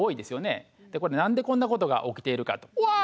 これ何でこんなことが起きているかと。